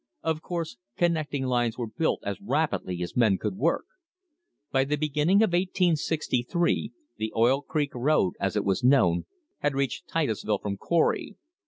Of course connecting lines were built as rapidly as men could work. By the beginning of 1863 tne Oil Creek road, as it was known, had reached Titusville from Corry.